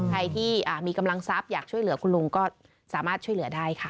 ใครที่มีกำลังทรัพย์อยากช่วยเหลือคุณลุงก็สามารถช่วยเหลือได้ค่ะ